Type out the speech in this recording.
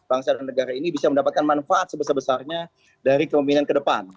bangsa dan negara ini bisa mendapatkan manfaat sebesar besarnya dari kemimpinan ke depan